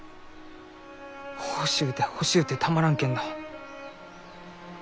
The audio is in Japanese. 欲しゅうて欲しゅうてたまらんけんど